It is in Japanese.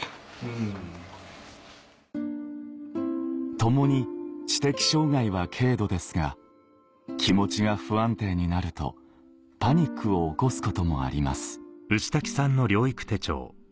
共に知的障害は軽度ですが気持ちが不安定になるとパニックを起こすこともあります